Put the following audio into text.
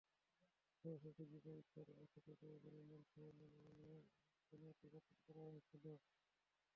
সর্বশেষ ডিগ্রি পরীক্ষায় অসদুপায় অবলম্বনসহ নানা অনিয়মের অভিযোগে কেন্দ্রটি বাতিল করা হয়েছিল।